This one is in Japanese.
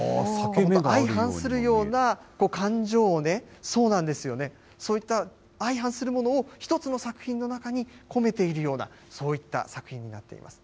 相反するような感情を、そうなんですよね、そういった相反するものを一つの作品の中に込めているような、そういった作品になっています。